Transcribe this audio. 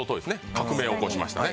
革命を起こしましたね。